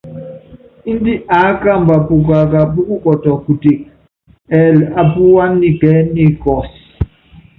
Índɛ aá kamba pukaká púkukɔtɔ kuteke, ɛɛli apúwá nikɛɛ́ nikɔs.